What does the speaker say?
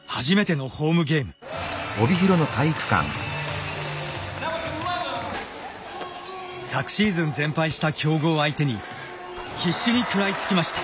昨シーズン全敗した強豪を相手に必死に食らいつきました。